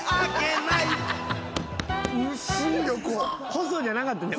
細じゃなかったね